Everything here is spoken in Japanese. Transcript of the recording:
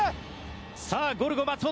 さあゴルゴ松本。